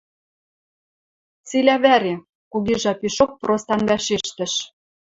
— Цилӓ вӓре, — кугижӓ пишок простан вӓшешетӹш.